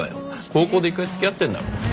高校で一回付き合ってんだろ。